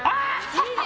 いいね。